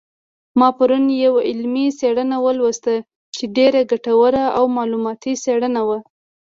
ما پرون یوه علمي څېړنه ولوستله چې ډېره ګټوره او معلوماتي څېړنه وه